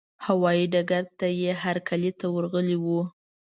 هوايي ډګر ته یې هرکلي ته ورغلي وو.